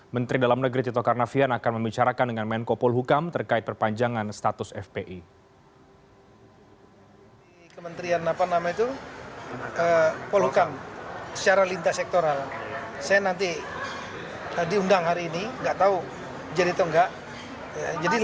menteri dalam negeri tito karnavian akan membicarakan dengan menko polhukam terkait perpanjangan status fpi